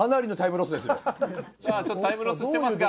ちょっとタイムロスしてますが。